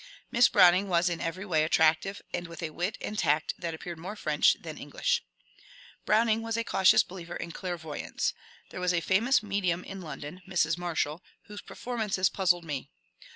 Miss Browning was in every way attractive, and with a wit and tact that appeared more French than English. Browning was a cautious believer in *^ clairvoyance." There was a famous ^^ medium " in London, Mrs. Marshall, whose performances puzzled me.